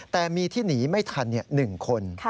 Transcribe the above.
แต่มีที่หนีไม่ทัน๑คน